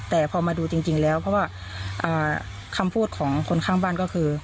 แต่พอมาดูจริงแล้วเพราะว่าคำพูดของคนข้างบ้านก็คือ